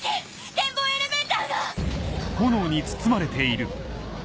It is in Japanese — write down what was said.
展望エレベーターが！